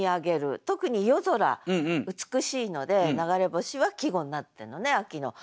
特に夜空美しいので「流れ星」は季語になってんのね秋の。